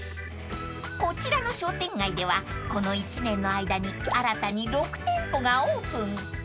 ［こちらの商店街ではこの１年の間に新たに６店舗がオープン］